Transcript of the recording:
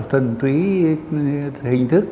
thuần túy hình thức